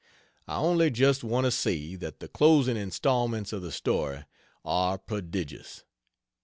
I only just want to say that the closing installments of the story are prodigious.